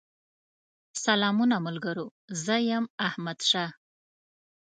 سلامونه ملګرو! زه يم احمدشاه